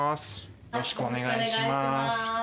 よろしくお願いします。